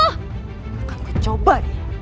aku akan mencoba